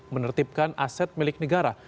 menertibkan aset milik negara